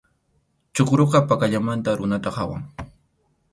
Chukuruqa pakallamanta runata qhawan.